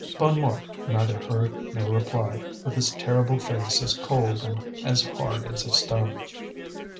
Bonnemort neither heard nor replied, with his terrible face as cold and as hard as a stone.